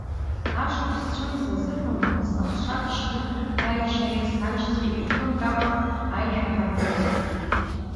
Ашықәс цәымза азыҳәан уасахшак шьны ҳаиашьареи саншьцәеи ирхымгакәа аишәа ҳаргылеит.